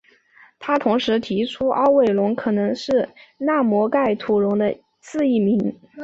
他同时提出后凹尾龙可能是纳摩盖吐龙的次异名。